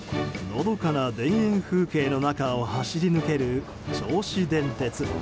のどかな田園風景の中を走り抜ける銚子電鉄。